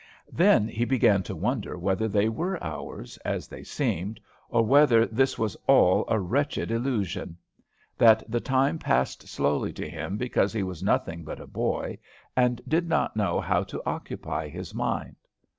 Then he began to wonder whether they were hours, as they seemed, or whether this was all a wretched illusion, that the time passed slowly to him because he was nothing but a boy, and did not know how to occupy his mind.